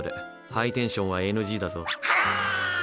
ハイテンションはＮＧだぞ。